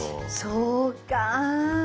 そうか。